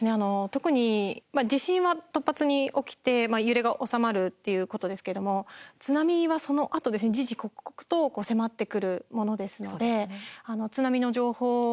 特に地震は突発に起きて揺れが収まるっていうことですけれども津波はそのあとですね時々刻々と迫ってくるものですので津波の情報